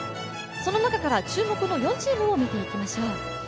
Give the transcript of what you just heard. その中から注目の４チームを見ていきましょう。